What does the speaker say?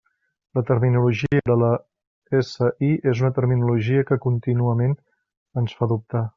La terminologia de la SI és una terminologia que contínuament ens fa dubtar.